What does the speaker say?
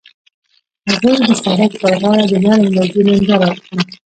هغوی د سړک پر غاړه د نرم لرګی ننداره وکړه.